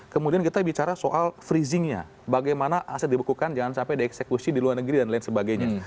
kemudian kita bicara soal freezingnya bagaimana aset dibekukan jangan sampai dieksekusi di luar negeri dan lain sebagainya